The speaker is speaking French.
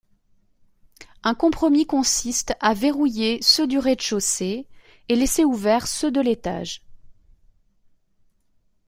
Un compromis consiste à verrouiller ceux du rez-de-chaussée et laisser ouverts ceux de l'étage.